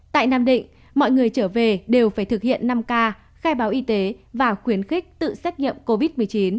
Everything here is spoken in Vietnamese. tại nam định mọi người trở về đều phải thực hiện năm k khai báo y tế và khuyến khích tự xét nghiệm covid một mươi chín